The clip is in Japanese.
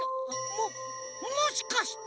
ももしかして。